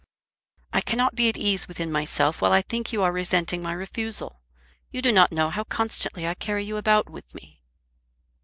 "I cannot be at ease within myself while I think you are resenting my refusal. You do not know how constantly I carry you about with me."